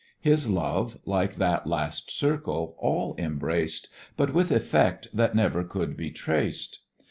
His love, like that last circle, all embraced, But with effect that never could be traced.